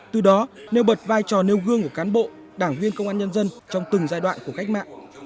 từ đó nêu bật vai trò nêu gương của cán bộ đảng viên công an nhân dân trong từng giai đoạn của cách mạng